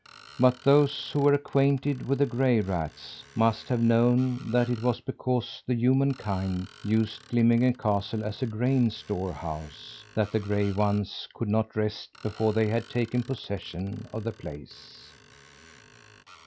But those who were acquainted with the gray rats must have known that it was because the human kind used Glimminge castle as a grain store house that the gray ones could not rest before they had taken possession of the place.